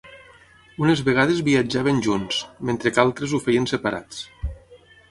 Unes vegades viatjaven junts, mentre que altres ho feien separats.